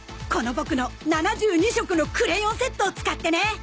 このボクの７２色のクレヨンセットを使ってね！